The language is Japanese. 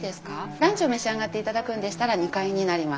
ランチを召し上がっていただくんでしたら２階になります。